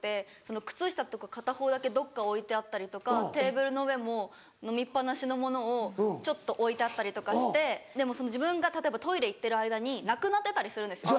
靴下とか片方だけどっか置いてあったりとかテーブルの上も飲みっ放しのものをちょっと置いてあったりとかしてでも自分が例えばトイレ行ってる間になくなってたりするんですよ。